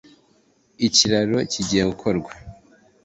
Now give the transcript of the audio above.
ikiraro kigiye gukorwa